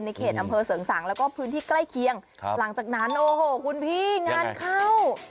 เขตอำเภอเสริงสังแล้วก็พื้นที่ใกล้เคียงหลังจากนั้นโอ้โหคุณพี่งานเข้า